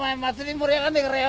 盛り上がんねえからよ。